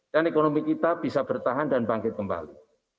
dan ekonomi kita bisa bertahan dan bangkit kembali